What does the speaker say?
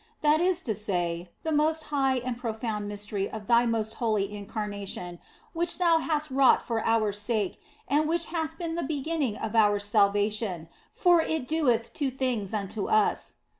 That is to say, the most high and profound mystery of Thy most holy Incarnation, which Thou hast wrought for our sake and which hath been the beginning of our salvation, for it doeth two things unto us.